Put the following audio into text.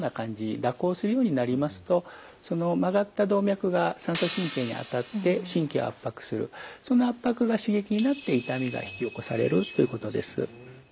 蛇行するようになりますとその曲がった動脈が三叉神経に当たって神経を圧迫するその圧迫が刺激になって痛みが引き起こされるということです。